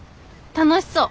楽しそう。